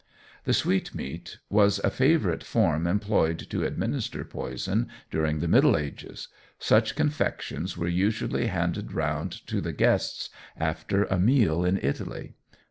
The sweetmeat was a favourite form employed to administer poison during the Middle Ages. Such confections were usually handed round to the guests after a meal in Italy.